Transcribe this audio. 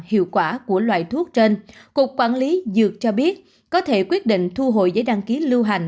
hiệu quả của loại thuốc trên cục quản lý dược cho biết có thể quyết định thu hồi giấy đăng ký lưu hành